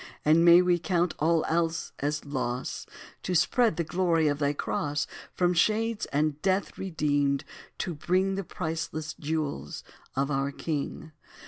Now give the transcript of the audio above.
And may we count all else as loss To spread the glory of thy cross From shades and death redeemed, to bring The priceless jewels of our King.